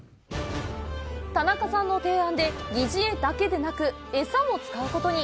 田中さんの提案で、擬似餌だけでなく餌も使うことに。